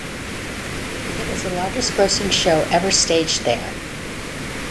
It was the largest grossing show ever staged there.